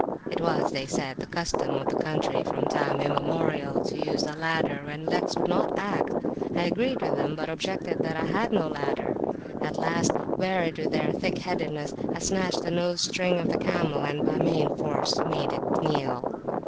It was, they said, the custom of the country from time immemorial to use a ladder when legs would not act. I agreed with them, but objected that I had no ladder. At last, wearied with their thick headedness, I snatched the nose string of the camel, and by main force made it kneel.